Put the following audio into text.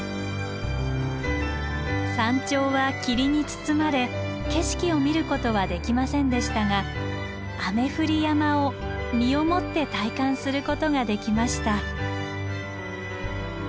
山頂は霧に包まれ景色を見ることはできませんでしたが「雨降り山」を身をもって体感することができました。